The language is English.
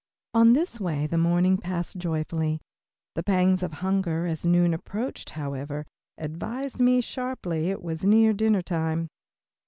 In this way the morning passed joyfully, the pangs of hunger, as noon approached, however, advising me sharply it was near dinner time.